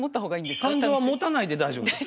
感情はもたないで大丈夫です。